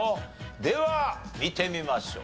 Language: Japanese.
では見てみましょう。